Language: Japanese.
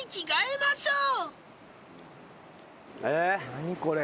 何これ？